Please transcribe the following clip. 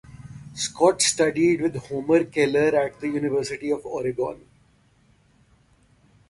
Scott studied with Homer Keller at the University of Oregon.